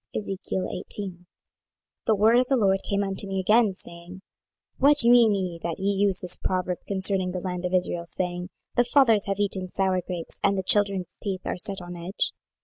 26:018:001 The word of the LORD came unto me again, saying, 26:018:002 What mean ye, that ye use this proverb concerning the land of Israel, saying, The fathers have eaten sour grapes, and the children's teeth are set on edge?